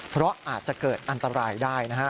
เพราะอาจจะเกิดอันตรายได้นะฮะ